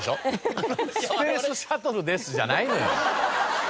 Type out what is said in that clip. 「スペースシャトルです」じゃないのよ！